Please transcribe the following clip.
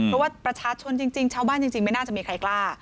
เพราะว่าประชาชนจริงชาวบ้านจริงไม่น่าจะมีใครกล้า